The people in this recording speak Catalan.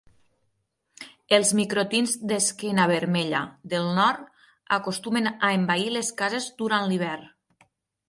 Els microtins d'esquena vermella del nord acostumen a envair les cases durant l'hivern.